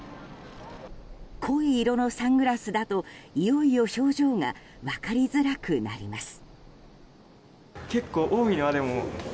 濃い色のサングラスだといよいよ表情が分かりづらくなります。